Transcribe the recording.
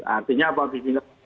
artinya apa harus dikira